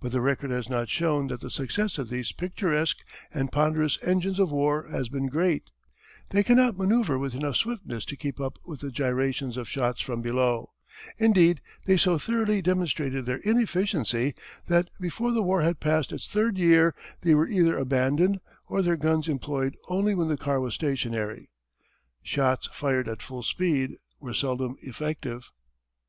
But the record has not shown that the success of these picturesque and ponderous engines of war has been great. They cannot manoeuvre with enough swiftness to keep up with the gyrations of an airplane. They offer as good a target for a bomb from above as the aircraft does to their shots from below. Indeed they so thoroughly demonstrated their inefficiency that before the war had passed its third year they were either abandoned or their guns employed only when the car was stationary. Shots fired at full speed were seldom effective.